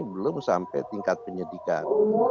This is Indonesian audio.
belum sampai tingkat penyidikan